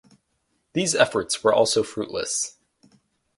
These efforts were also fruitless.